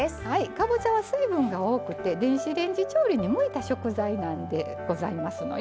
かぼちゃは水分が多くて電子レンジ調理に向いた食材なんでございますのよ。